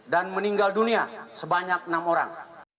dan meninggal dunia sebanyak enam orang